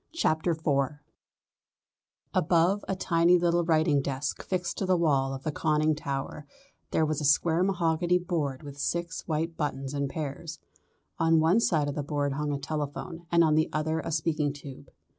CHAPTER IV Above a tiny little writing desk fixed to the wall of the conning tower there was a square mahogany board with six white buttons in pairs. On one side of the board hung a telephone and on the other a speaking tube.